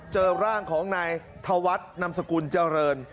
เจอร่างของนายเทาวัดนำสกุลเจ้าเริน